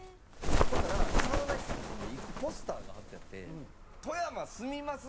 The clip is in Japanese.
ほんならサウナ室のとこに１個ポスターが貼ってあって「富山住みます